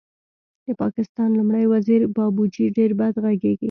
د پاکستان لومړی وزیر بابوجي ډېر بد غږېږي